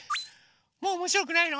もうおもしろくないの？